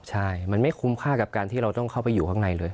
ใช่มันไม่คุ้มค่ากับการที่เราต้องเข้าไปอยู่ข้างในเลย